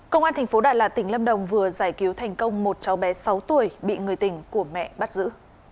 công an thành phố đà lạt tỉnh lâm đồng vừa giải cứu thành công một cháu bé sáu tuổi bị người tỉnh của mẹ bắt giữ